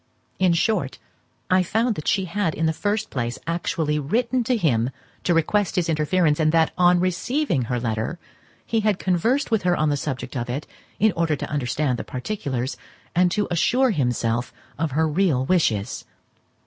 In short, I found that she had in the first place actually written to him to request his interference, and that, on receiving her letter, he had conversed with her on the subject of it, in order to understand the particulars, and to assure himself of her real wishes.